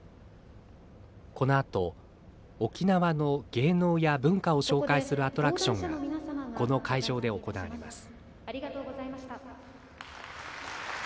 このあと沖縄の芸能や文化を紹介するアトラクションがこの会場で行われます。